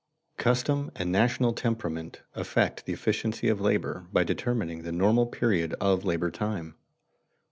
_Custom and national temperament affect the efficiency of labor by determining the normal period of labor time.